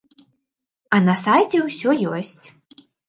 А на сайце ўсё ёсць.